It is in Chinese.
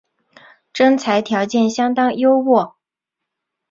征才条件相当优渥